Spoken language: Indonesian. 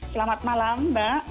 selamat malam mbak